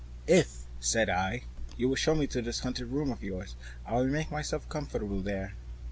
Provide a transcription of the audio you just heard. "If," said I, "you will show me to this haunted room of yours, I will make myself comfortable there."